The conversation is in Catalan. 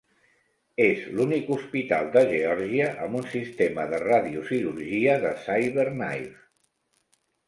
És l'únic hospital de Geòrgia amb un sistema de radiocirurgia de CyberKnife.